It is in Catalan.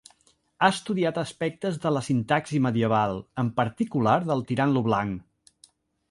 Ha estudiat aspectes de la sintaxi medieval, en particular del Tirant lo Blanc.